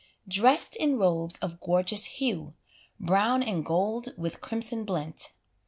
Dressed in robes of gorgeous hue, Brown and gold with crimson blent.